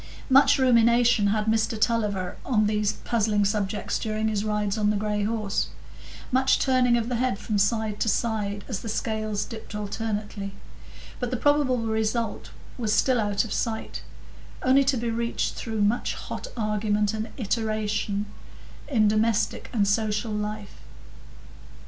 Much rumination had Mr Tulliver on these puzzling subjects during his rides on the gray horse; much turning of the head from side to side, as the scales dipped alternately; but the probable result was still out of sight, only to be reached through much hot argument and iteration in domestic and social life.